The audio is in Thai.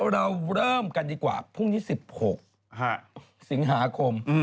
เราเริ่มกันดีกว่าพรุ่งที่๑๖อาหารศังหาคม